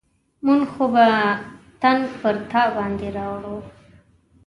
موږ خو به تنګ پر تا باندې راوړو.